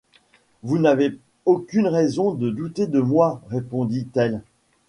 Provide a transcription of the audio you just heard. Vous n’avez aucune raison pour douter de moi, répondit-elle.